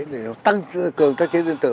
để nó tăng cường các chiến dân tử